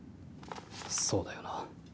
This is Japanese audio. そうだよな。